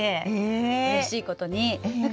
うれしいことに。